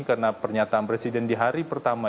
karena pernyataan presiden di hari pertama